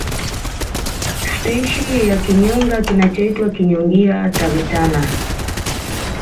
Spishi ya kinyonga kinachoitwa Kinyongia tavetana